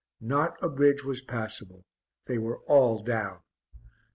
Not a bridge was passable they were all down!